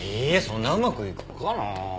そんなうまくいくかなあ。